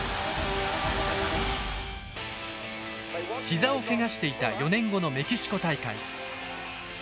膝をけがしていた４年後のメキシコ大会。